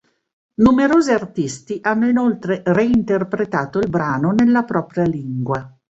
Numerosi artisti hanno inoltre reinterpretato il brano nella propria lingua.